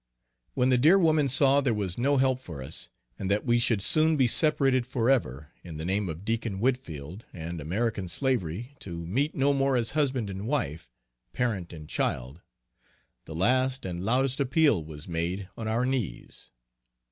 When the dear woman saw there was no help for us, and that we should soon be separated forever, in the name of Deacon Whitfield, and American slavery to meet no more as husband and wife, parent and child the last and loudest appeal was made on our knees.